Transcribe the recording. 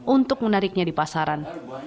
untuk menariknya di pasaran